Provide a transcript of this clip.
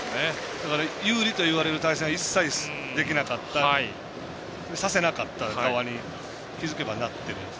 だから、有利といわれる対戦は一切できなかったさせなかった側に気付けばなってるんです。